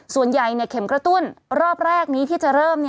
ส่วนใหญ่เข็มกระตุ้นรอบแรกที่จะเริ่ม